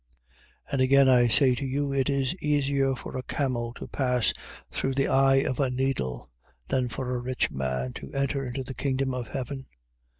19:24. And again I say to you: It is easier for a camel to pass through the eye of a needle, than for a rich man to enter into the kingdom of heaven.